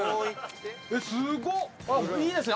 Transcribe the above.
いいですね。